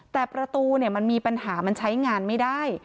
แต่ประตูมันมีปัญหามันใช้งานไม่ได้